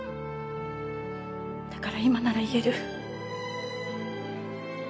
だから今なら言える。